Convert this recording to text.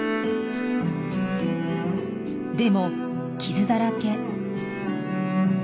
でも傷だらけ。